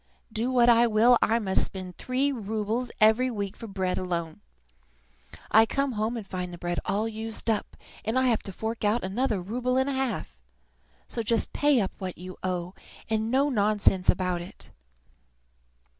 Do what I will, I must spend three roubles every week for bread alone. I come home and find the bread all used up, and I have to fork out another rouble and a half. So just pay up what you owe, and no nonsense about it!"